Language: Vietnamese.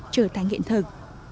trở thành hiện thực